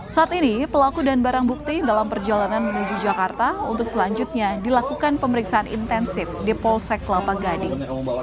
saat ini pelaku dan barang bukti dalam perjalanan menuju jakarta untuk selanjutnya dilakukan pemeriksaan intensif di polsek kelapa gading